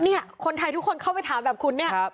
เนี่ยคนไทยทุกคนเข้าไปถามแบบคุณเนี่ย